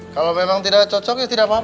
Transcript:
kalau memang tidak cocok ya tidak apa apa